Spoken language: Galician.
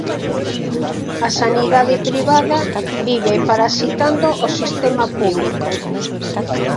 A sanidade privada vive parasitando o sistema público.